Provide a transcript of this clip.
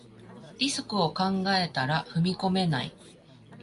リスクを考えたら踏み込めない